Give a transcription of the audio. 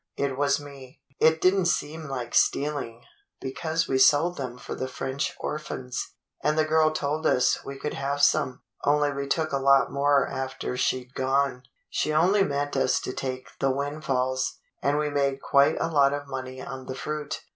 It was me. It did n't seem like stealing, be cause we sold them for the French orphans, and the girl told us we could have some, only we took a lot more after she 'd gone. She only meant us to take the windfalls. And we made quite a lot of money on the fruit.